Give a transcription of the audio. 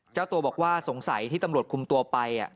เจ้าตัวบอกว่าสงสัยที่ตำรวจคุมตัวไป